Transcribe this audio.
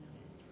ada apaan ya